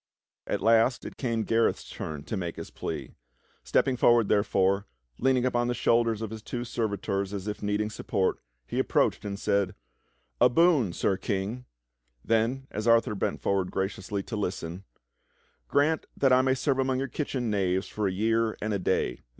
At last it came Gareth's turn to make his plea. Stepping for ward, therefore, leaning upon the shoulders of his two servitors as if needing support, he approached and said: "A boon. Sir King!" GARETH THE KITCHEN KNAVE 41 Then as Arthur bent forward graciously to listen: "Grant that I may serve among your kitchen knaves for a year and a day.